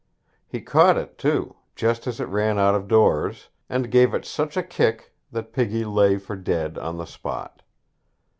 He caught it, too, just as it ran out of doors, and gave it such a kick, that piggy lay for dead on the spot.